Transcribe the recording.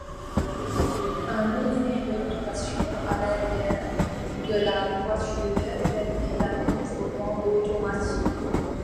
Un moulinet d'orientation à l'arrière de la toiture permet la mise au vent automatique.